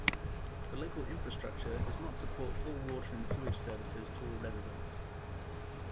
The local infrastructure does not support full water and sewage services to all residents.